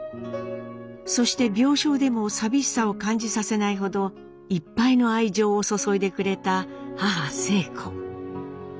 そして病床でも寂しさを感じさせないほどいっぱいの愛情を注いでくれた母晴子。